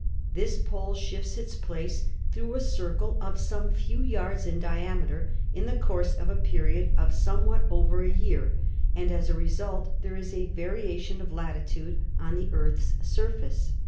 This pole shifts its place through a circle of some few yards in diameter in the course of a period of somewhat over a year, and as a result there is a variation of latitude on the Earth's surface.